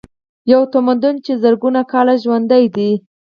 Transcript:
یو تمدن چې زرګونه کاله ژوندی دی.